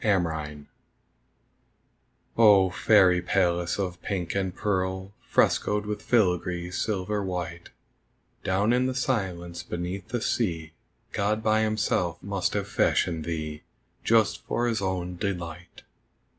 THE SEA SHELL Oh, fairy palace of pink and pearl Frescoed with filigree silver white, Down in the silence beneath the sea God by Himself must have fashioned thee Just for His own delight!